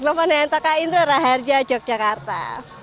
loh mana yang takain terakhirnya jogjakarta